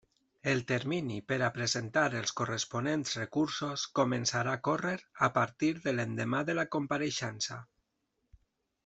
El termini per a presentar els corresponents recursos començarà a córrer a partir de l'endemà de la compareixença.